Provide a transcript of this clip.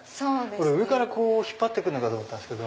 上から引っ張って来るのかと思ったんですけど。